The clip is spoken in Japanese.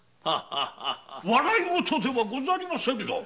笑い事ではありませぬぞ。